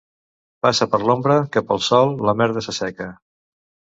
Passa per l'ombra, que pel sol la merda s'asseca.